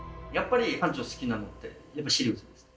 館長好きなのってやっぱりシリウスですか？